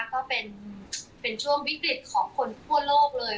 ก็เป็นช่วงวิกฤตของคนทั่วโลกเลย